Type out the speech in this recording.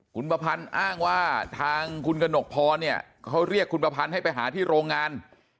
คุณประพันธ์อ้างว่าทางคุณกระหนกพรเนี่ยเขาเรียกคุณประพันธ์ให้ไปหาที่โรงงาน